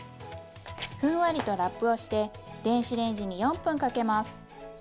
ふんわりとラップをして電子レンジに４分かけます。